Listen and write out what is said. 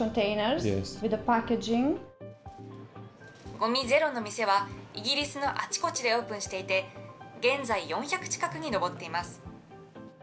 ごみゼロの店は、イギリスのあちこちでオープンしていて、現在、４００近くに上っています。